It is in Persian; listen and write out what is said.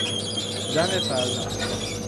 زن فرزند